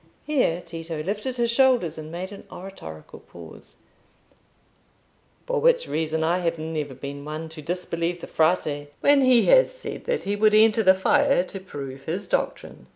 —here Tito lifted his shoulders and made an oratorical pause—"for which reason I have never been one to disbelieve the Frate, when he has said that he would enter the fire to prove his doctrine.